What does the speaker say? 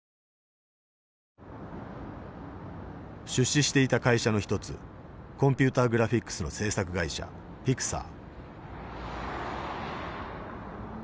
出資していた会社の一つコンピューター・グラフィックスの制作会社ピクサー。